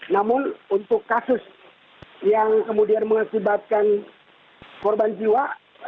namun untuk kasus yang kemudian mengakibatkan korban jiwa